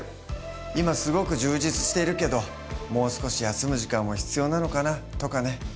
今すごく充実しているけどもう少し休む時間も必要なのかな？とかね。